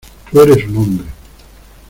tú eres un hombre.